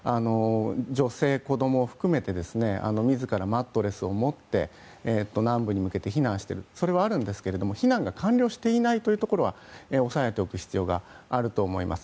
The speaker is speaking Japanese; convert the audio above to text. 女性、子供含めて自らマットレスをもって南部に向けて避難しているというのはあるんですが避難が完了していないというところは押さえておく必要があると思います。